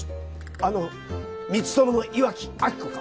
あの光友の岩木亜希子か？